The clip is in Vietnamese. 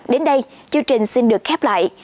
đến đây chương trình xin được khép lại